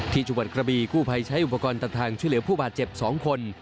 ที่จังหวัดกระบีกู้ภัยใช้อุปกรณ์ตัดทางช่วยเหลือผู้บาดเจ็บ๒คน